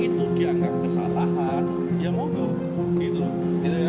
itu dianggap kesalahan yang mudah gitu ya